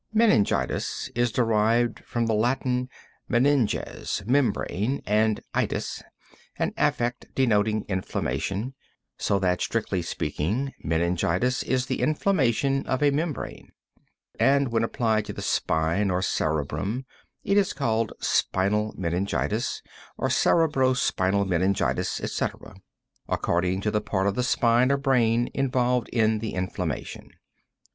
Meningitis is derived from the Latin Meninges, membrane, and itis, an affix denoting inflammation, so that, strictly speaking, meningitis is the inflammation of a membrane, and when applied to the spine, or cerebrum, is called spinal meningitis, or cerebro spinal meningitis, etc., according to the part of the spine or brain involved in the inflammation.